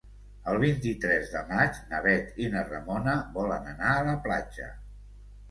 El vint-i-tres de maig na Bet i na Ramona volen anar a la platja.